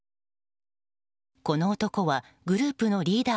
この男はグループのリーダー